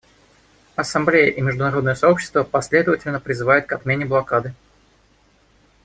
Ассамблея и международное сообщество последовательно призывают к отмене блокады.